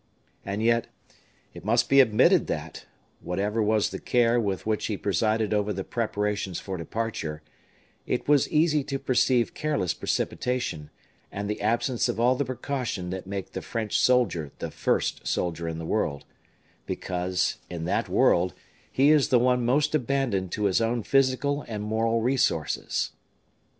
And yet, it must be admitted that, whatever was the care with which he presided over the preparations for departure, it was easy to perceive careless precipitation, and the absence of all the precaution that make the French soldier the first soldier in the world, because, in that world, he is the one most abandoned to his own physical and moral resources.